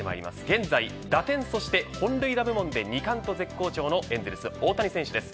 現在打点そして本塁打部門で２冠と絶好調のエンゼルス、大谷選手です。